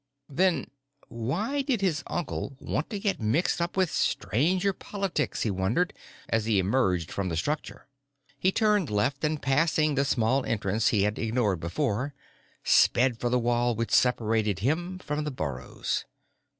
Then why did his uncle want to get mixed up with Stranger politics, he wondered, as he emerged from the structure? He turned left and, passing the small entrance he had ignored before, sped for the wall which separated him from the burrows.